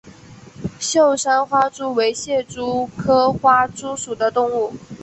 秀山花蛛为蟹蛛科花蛛属的动物。